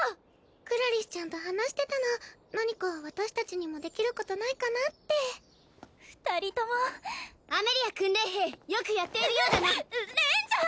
クラリスちゃんと話してたの何か私達にもできることないかなって二人ともアメリア訓練兵よくやっているようだなレンジャー！